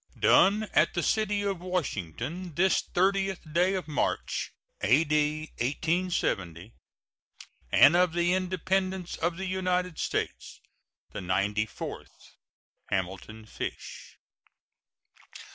[SEAL.] Done at the city of Washington this 30th day of March, A.D. 1870, and of the Independence of the United States the ninety fourth. HAMILTON FISH.